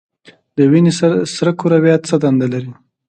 د وینې سره کرویات څه دنده لري؟